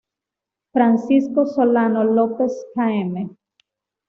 Francisco Solano López Km.